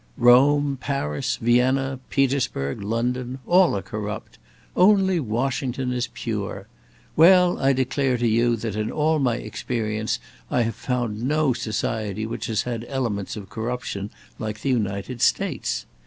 Rome, Paris, Vienna, Petersburg, London, all are corrupt; only Washington is pure! Well, I declare to you that in all my experience I have found no society which has had elements of corruption like the United States.